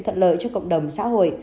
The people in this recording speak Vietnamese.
thuận lợi cho cộng đồng xã hội